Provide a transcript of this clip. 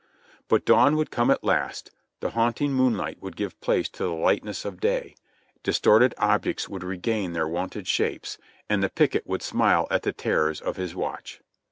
But dawn would come at last; the haunting moonlight would give place to the lightness of day; distorted objects would regain their wonted shapes, and the picket would smile at the terrors of his watch.